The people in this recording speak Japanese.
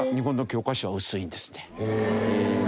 へえ！